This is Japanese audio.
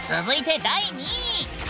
続いて第２位！